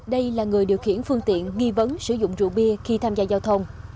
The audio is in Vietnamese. đây là người điều khiển phương tiện nghi vấn sử dụng rượu bia khi tham gia giao thông